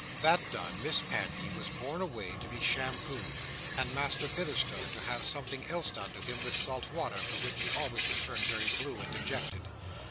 That done, Miss Pankey was borne away to be shampoo'd; and Master Bitherstone to have something else done to him with salt water, from which he always returned very blue and dejected.